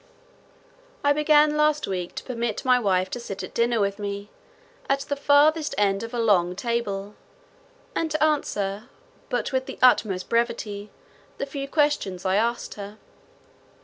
I began last week to permit my wife to sit at dinner with me, at the farthest end of a long table; and to answer (but with the utmost brevity) the few questions I asked her.